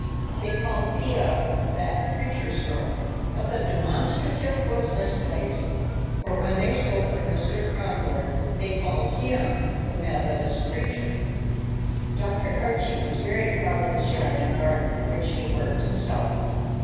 They called Thea "that preacher's girl," but the demonstrative was misplaced, for when they spoke of Mr. Kronborg they called him "the Methodist preacher." Dr. Archie was very proud of his yard and garden, which he worked himself.